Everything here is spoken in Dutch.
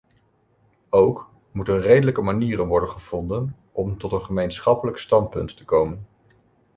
Ook moeten redelijke manieren worden gevonden om tot een gemeenschappelijk standpunt te komen.